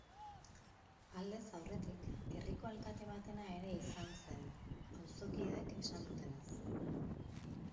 Aldez aurretik herriko alkate batena ere izan zen, auzokideek esan dutenez.